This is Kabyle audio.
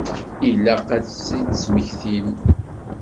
Ilaq ad tt-id-tesmektim.